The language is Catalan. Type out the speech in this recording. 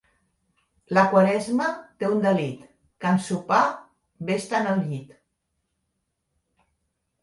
La Quaresma té un delit: que en sopar ves-te'n al llit.